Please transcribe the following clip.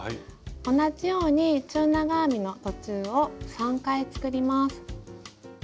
同じように中長編みの途中を３回作ります。